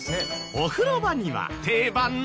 お風呂場には定番の。